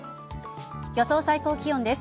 予想最高気温です。